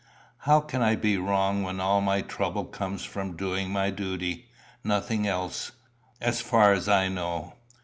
"How can I be wrong when all my trouble comes from doing my duty nothing else, as far as I know?"